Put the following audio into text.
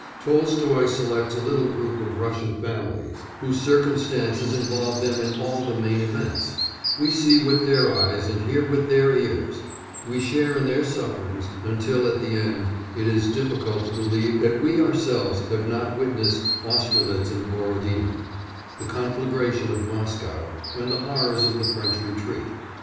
Tolstoy selects a little group of Russian families whose circumstances involve them in all the main events; we see with their eyes and hear with their ears; we share in their sufferings, until at the end it is difficult to believe that we ourselves have not witnessed Austerlitz and Borodino, the conflagration of Moscow, and the horrors of the French retreat.